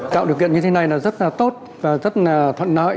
tạo điều kiện như thế này là rất là tốt và rất là thuận lợi